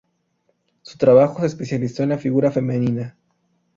Su trabajo se especializó en la figura femenina.